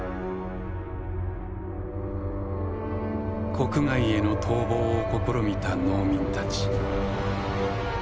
国外への逃亡を試みた農民たち。